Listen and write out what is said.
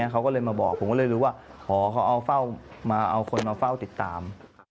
เขาก็เลยมาบอกผมก็เลยรู้ว่าอ๋อเขาเอาคนมาเฝ้าติดตาม